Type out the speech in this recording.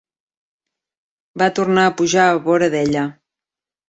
Va tornar a pujar a vora d'ella.